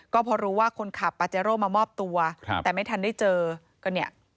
ก็พอรู้ว่าคนขับปาเจโร่มามอบตัวแต่ไม่ทันได้เจอก็เนี่ย